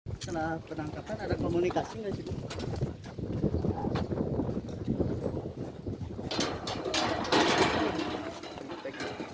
hai senang penangkapan ada komunikasi ngasih